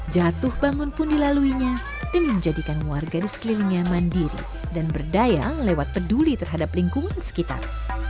jatuh bangun pun dilaluinya demi menjadikan warga di sekelilingnya mandiri dan berdaya lewat peduli terhadap lingkungan sekitar